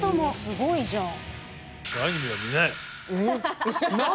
すごいじゃん。